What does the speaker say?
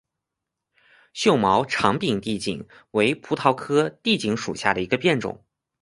锈毛长柄地锦为葡萄科地锦属下的一个变种。